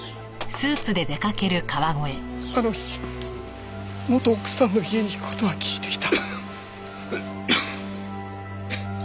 あの日元奥さんの家に行く事は聞いていた。